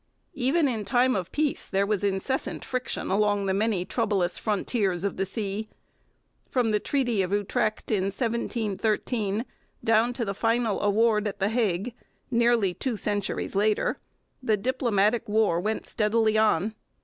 Even in time of peace there was incessant friction along the many troublous frontiers of the sea. From the Treaty of Utrecht in 1713 down to the final award at The Hague, nearly two centuries later, the diplomatic war went steadily on.